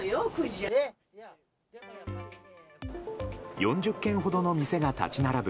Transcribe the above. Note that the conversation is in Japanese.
４０軒ほどの店が立ち並ぶ